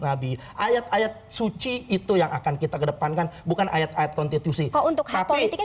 nabi ayat ayat suci itu yang akan kita kedepankan bukan ayat ayat konstitusi untuk hak politiknya